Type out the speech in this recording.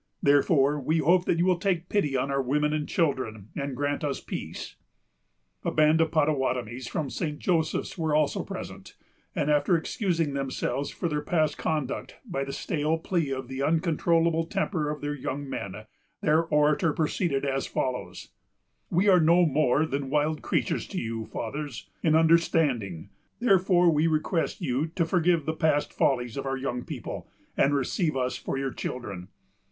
Therefore we hope you will take pity on our women and children, and grant us peace." A band of Pottawattamies from St. Joseph's were also present, and, after excusing themselves for their past conduct by the stale plea of the uncontrollable temper of their young men, their orator proceeded as follows:—— "We are no more than wild creatures to you, fathers, in understanding; therefore we request you to forgive the past follies of our young people, and receive us for your children.